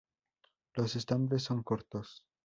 Los estambres son cortos.